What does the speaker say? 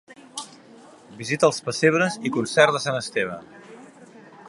Visita als pessebres i concert de Sant Esteve.